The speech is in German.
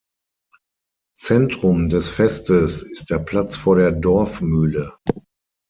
Zentrum des Festes ist der Platz vor der Dorfmühle.